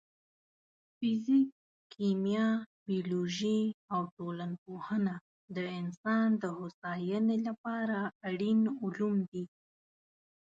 فزیک، کیمیا، بیولوژي او ټولنپوهنه د انسان د هوساینې لپاره اړین علوم دي.